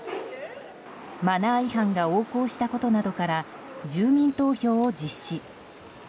マナー違反が横行したことなどから住民投票を実施。